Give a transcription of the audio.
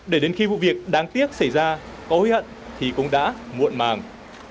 để đến khi vụ việc đáng tiếc xảy ra có hối hận thì cũng đã muộn màng